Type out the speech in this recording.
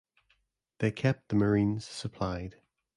They kept the marines supplied.